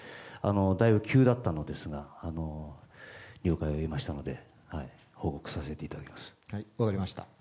だいぶ急だったのですが了解を得ましたので報告させていただきます。